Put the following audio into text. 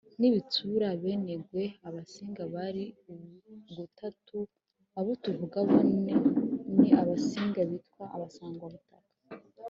n’ibitsura abenengwe. abasing bari ugutatu: abo tuvuga aba ni abasinga bitwa abasangwabutaka;